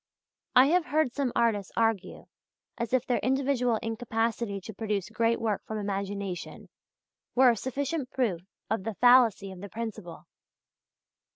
I have heard some artists argue as if their individual incapacity to produce great work from imagination were a sufficient proof of the fallacy of the principle.